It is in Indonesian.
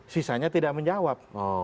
sisanya tidak menjawab